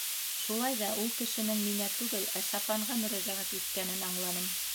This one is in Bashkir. Шулай ҙа ул кешенең миңә түгел, ә сапанға мөрәжәғәт иткәнен аңланым.